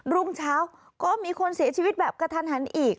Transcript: รุ่งเช้าก็มีคนเสียชีวิตแบบกระทันหันอีก